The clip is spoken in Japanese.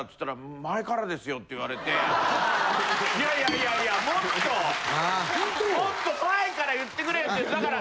いやいやもっともっと前から言ってくれってだから。